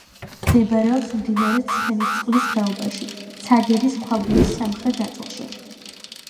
მდებარეობს მდინარე ცხენისწყლის ხეობაში, ცაგერის ქვაბულის სამხრეთ ნაწილში.